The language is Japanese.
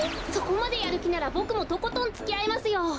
そこまでやるきならボクもとことんつきあいますよ！